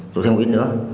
dội thêm một ít nữa